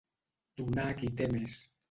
Donar a qui té més.